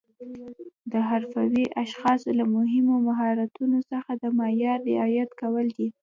د حرفوي اشخاصو له مهمو مهارتونو څخه د معیار رعایت کول دي.